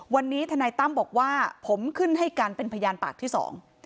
วันนี้ทนายตั้มบอกว่าผมขึ้นให้การเป็นพยานปากที่สอง